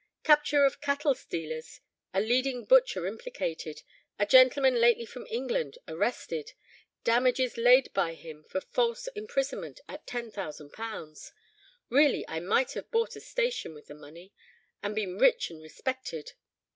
Capture of cattle stealers, a leading butcher implicated. A gentleman lately from England arrested. Damages laid by him for false imprisonment at £10,000. Really, I might have bought a station with the money, and been rich and respected.